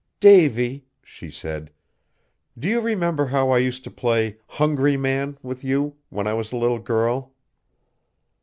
"Davy," she said, "do you remember how I used to play 'hungry man' with you, when I was a little girl?"